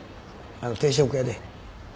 あの定食屋で。